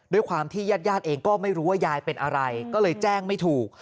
ด้วยความที่ญาติญาติเองก็ไม่รู้ว่ายายเป็นอะไรก็เลยแจ้งไม่ถูก